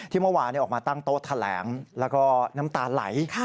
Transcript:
เมื่อวานออกมาตั้งโต๊ะแถลงแล้วก็น้ำตาไหล